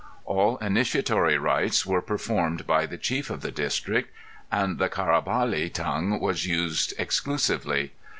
All initiatory rites were performed by the chief of the district and the Carabali tongue was used exclusively.